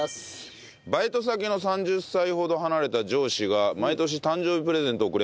バイト先の３０歳ほど離れた上司が毎年誕生日プレゼントをくれます。